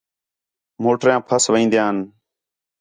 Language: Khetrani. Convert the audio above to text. موٹراں پھس وین٘دا ہین